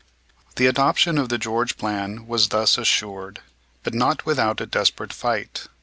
The adoption of the George plan was thus assured, but not without a desperate fight.